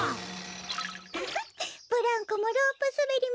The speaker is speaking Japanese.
フフッブランコもロープすべりもひさしぶり。